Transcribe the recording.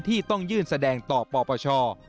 ที่ต้องยื่นแสดงต่อปปช